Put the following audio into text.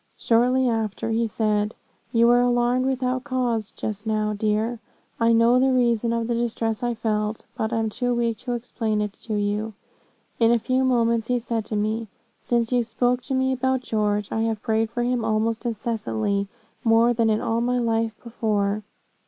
Shortly after, he said, 'You were alarmed without cause just now, dear I know the reason of the distress I felt, but am too weak to explain it to you.' In a few moments he said to me, 'Since you spoke to me about George, I have prayed for him almost incessantly more than in all my life before.'